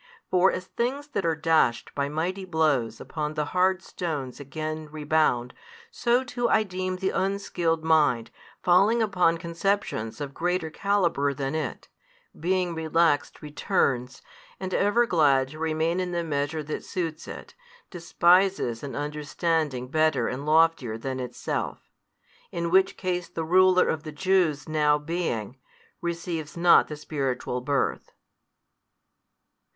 For as things that are dashed by mighty blows upon the hard stones again rebound, so too I deem the unskilled mind falling upon conceptions of greater calibre than it, being relaxed returns, and ever glad to remain in the measure that suits it, despises an understanding better and loftier than itself. In which case the ruler of the Jews now being, receives not the spiritual birth.